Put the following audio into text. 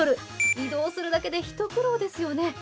移動するだけで一苦労ですよね。